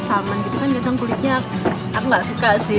salmon gitu kan biasanya kulitnya aku gak suka sih